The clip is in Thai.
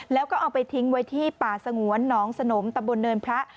แล้วก็เอาไปทิ้งไว้ที่ป่าสงวนหนองสนมตำบลเนินพระ